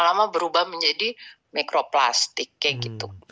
lama berubah menjadi mikroplastik kayak gitu